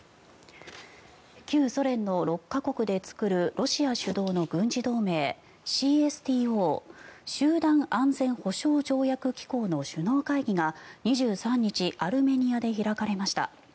旧ソ連の６か国で作るロシア主導の軍事同盟ＣＳＴＯ・集団安全保障条約機構の首脳会議が２３日アルメニアで開かれました。